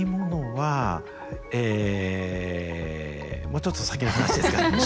もうちょっと先の話ですかね。